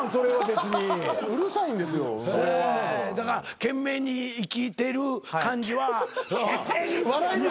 懸命に生きてる感じは。